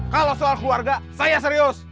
kalau soal keluarga saya serius